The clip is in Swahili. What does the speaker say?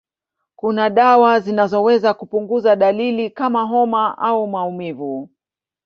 Kuna dawa zinazoweza kupunguza dalili kama homa au maumivu.